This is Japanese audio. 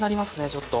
ちょっと。